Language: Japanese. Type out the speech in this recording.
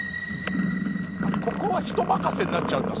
ここは人任せになっちゃうんだ。